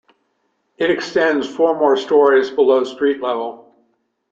It extends four more stories below street level.